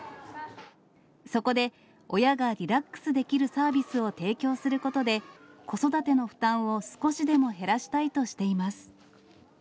そこで、親がリラックスできるサービスを提供することで、子育ての負担を少しでも減らしたいとしています。